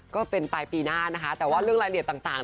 ก็เป็นปลายปีหน้านะคะแต่ว่าเรื่องรายละเอียดต่าง